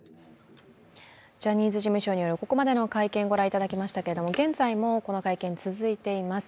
ジャニーズ事務所による、ここまでの会見をご覧いただきましたけど、現在もこの会見、続いています。